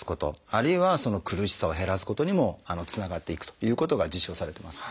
あるいは苦しさを減らすことにもつながっていくということが実証されてます。